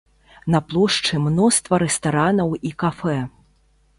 На плошчы мноства рэстаранаў і кафэ.